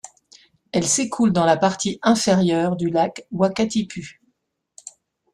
Elle s’écoule dans la partie inférieure du Lac Wakatipu.